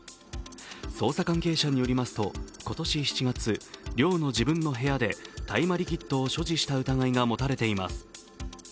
捜査関係者によりますと、今年７月寮の自分の部屋で、大麻リキッドを所持した疑いが持たれています